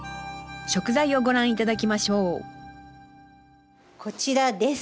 食材をご覧頂きましょうこちらです。